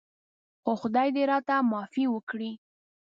خو خدای دې راته معافي وکړي.